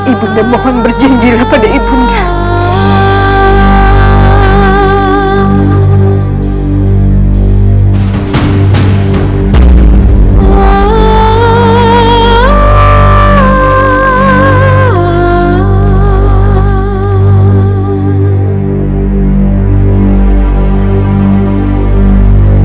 ibu nda mohon berjanjilah pada ibu nda